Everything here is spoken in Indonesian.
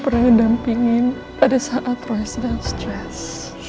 tante gak pernah dampingin pada saat roy sedang stres